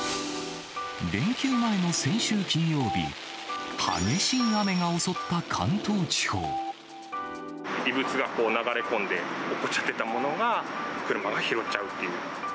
連休前の先週金曜日、激しい異物が流れ込んで、落ちてたものを、車が拾っちゃうという。